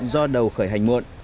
do đầu khởi hành muộn